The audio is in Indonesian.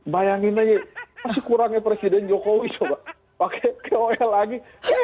bayangin aja masih kurangnya presiden jokowi coba pakai kol lagi